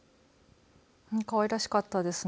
かわいらしかったですね。